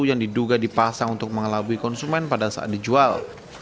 yang diduga dipasang untuk mengelabui konsumen pada saat dijual